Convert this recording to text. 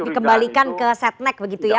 dikembalikan ke setnek begitu ya